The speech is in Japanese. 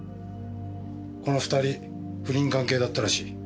この２人不倫関係だったらしい。